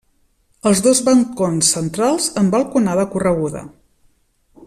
Els dos balcons centrals en balconada correguda.